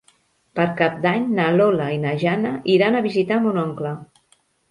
Per Cap d'Any na Lola i na Jana iran a visitar mon oncle.